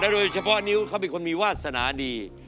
โดยเฉพาะนิ้วเขาเป็นคนมีวาสนาดี